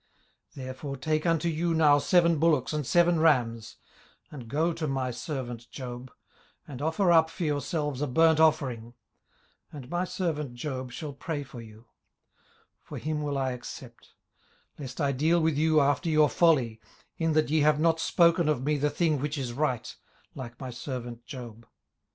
18:042:008 Therefore take unto you now seven bullocks and seven rams, and go to my servant Job, and offer up for yourselves a burnt offering; and my servant Job shall pray for you: for him will I accept: lest I deal with you after your folly, in that ye have not spoken of me the thing which is right, like my servant Job.